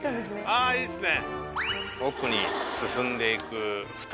ああ良いっすね。